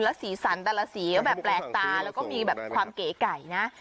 สีสันแต่ละสีก็แบบแปลกตาแล้วก็มีแบบความเก๋ไก่นะ